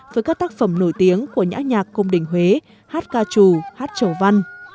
với các tác phẩm nổi tiếng của nhạc nhạc công đình huế hát ca trù hát trầu văn